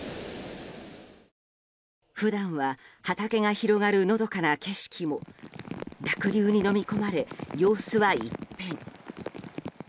普段は畑が広がるのどかな景色も濁流にのみ込まれ、様子は一変。